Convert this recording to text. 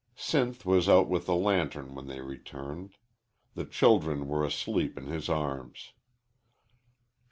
Sinth was out with a lantern when they returned. The children were asleep in his arms.